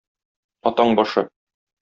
Атаң башы!